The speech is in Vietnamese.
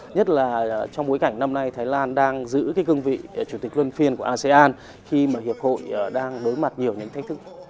nhất là trong bối cảnh năm nay thái lan đang giữ cái cương vị chủ tịch luân phiên của asean khi mà hiệp hội đang đối mặt nhiều những thách thức